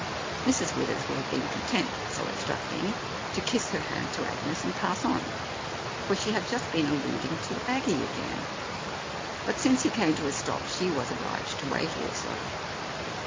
Mrs. Withers would have been con tent, so it struck me, to kiss her hand to Agnes and pass on, for she had just been alluding to Aggie again, but since he came to a stop, she was obliged to wait also.